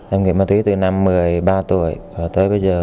em nghiện ma túy từ năm một mươi ba tuổi tới bây giờ